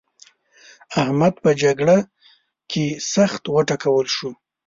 احمد په جګړه کې سخت وټکول شو.